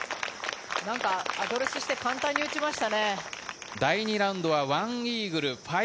何かアドレスして簡単に打ちましたね。